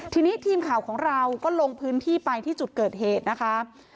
ทีนี้ทีมข่าวของเราก็ลงพื้นที่ไปที่จุดเกิดเหตุนะคะ